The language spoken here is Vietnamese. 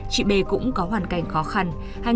chị b cũng có hoàn cảnh khó khăn